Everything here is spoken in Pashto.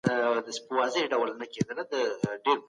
په لویه جرګه کي مخالف نظرونه څنګه حل کیږي؟